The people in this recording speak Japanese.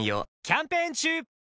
キャンペーン中！